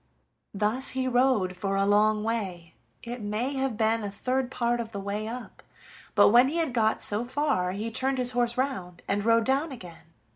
Thus he rode for a long way it may have been a third part of the way up but when he had got so far he turned his horse round and rode down again.